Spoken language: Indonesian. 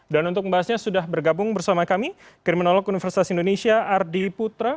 dan untuk membahasnya sudah bergabung bersama kami kriminolog universitas indonesia ardi putra